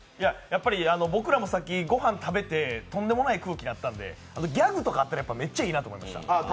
僕らもさっき、ご飯食べてとんでもない空気になったのでギャグとかってめっちゃいいなって思いました。